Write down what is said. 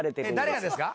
誰がですか。